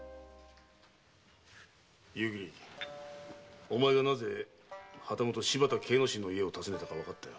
夕霧お前がなぜ柴田計之進の家を訪ねたのかわかったよ。